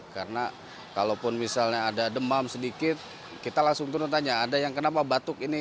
karena kalaupun misalnya ada demam sedikit kita langsung turun tanya ada yang kenapa batuk ini